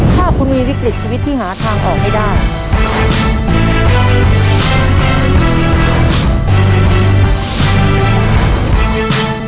ถ้าคุณมีวิกฤตชีวิตที่หาทางออกไม่ได้